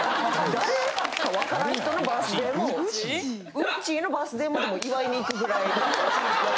誰か分からん人のバースデーもうっちーのバースデーも祝いに行くぐらい。